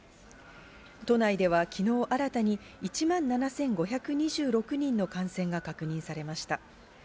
都内では昨日、新たに１万７５２６人の感染が確認されました。